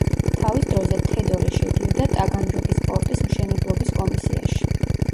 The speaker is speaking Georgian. თავის დროზე თედორე შედიოდა ტაგანროგის პორტის მშენებლობის კომისიაში.